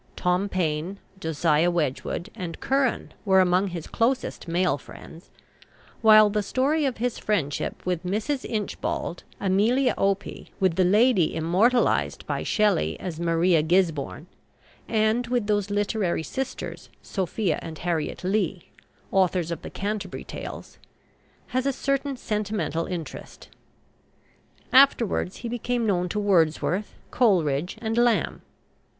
Tom Paine, Josiah Wedgwood, and Curran were among his closest male friends, while the story of his friendships with Mrs. Inchbald, Amelia Opie, with the lady immortalized by Shelley as Maria Gisborne, and with those literary sisters, Sophia and Harriet Lee, authors of the "Canterbury Tales," has a certain sentimental interest. Afterwards he became known to Wordsworth, Coleridge, and Lamb.